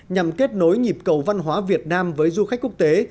nhằm kết nối nhịp cầu văn hóa việt nam với du khách quốc tế